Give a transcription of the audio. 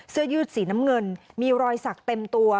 เสื้อยืดสีน้ำเงินมีรอยสักเต็มตัว